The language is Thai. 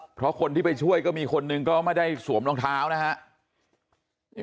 เพราะคนที่ไปช่วยก็มีคนหนึ่งก็ไม่ได้สวมรองเท้านะครับ